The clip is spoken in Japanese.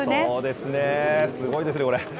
すごいですね、これ。